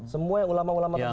semua ulama ulama tersebut